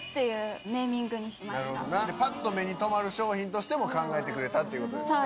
ぱっと目に留まる商品としても考えてくれたってことですね。